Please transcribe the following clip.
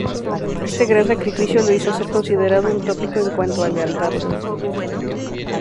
Este gran sacrificio lo hizo ser considerado un tópico en cuanto a lealtad.